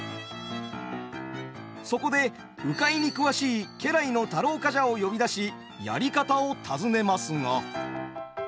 そこで鵜飼に詳しい家来の太郎冠者を呼び出しやり方を尋ねますが。